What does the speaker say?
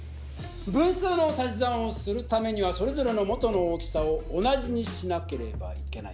分数の足し算をするためにはそれぞれの元の大きさを同じにしなければいけない。